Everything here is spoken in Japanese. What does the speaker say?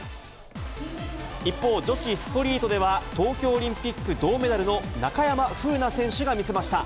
一方、女子ストリートでは、東京オリンピック銅メダルの中山楓奈選手が見せました。